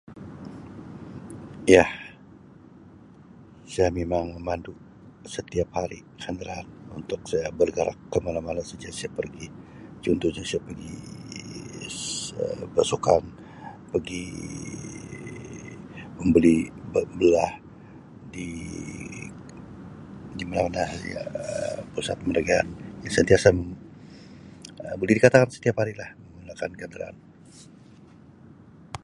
Ya saya memang memandu setiap hari [unintelligible] untuk saya bergerak ke mana-mana saja saya pergi contohnya saya pergi [unintelligible] besukan pegi membeli belah di mana saja Um pusat perniagaan sentiasa Um boleh dikatakan setiap hari lah menggunakan kendaraan.